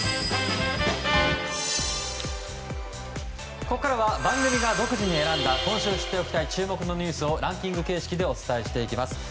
ここからは番組が独自に選んだ今週知っておきたい注目ニュースをランキング形式でお伝えします。